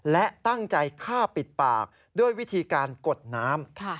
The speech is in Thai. และตั้งใจฆ่าปิดปากด้วยวิธีการกดน้ำ